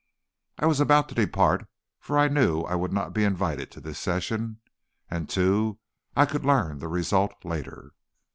I was about to depart, for I knew I would not be invited to this session, and, too, I could learn the result later.